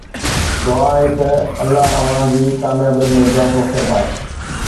دعا آهي ته الله اوهان جي ڪاميابين ۾ اضافو فرمائي